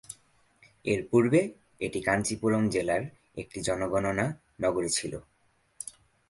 এর পূর্বে এটি কাঞ্চীপুরম জেলার একটি জনগণনা নগরী ছিল।